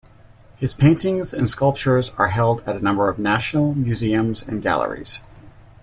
His paintings and sculptures are held at a number of national museums and galleries.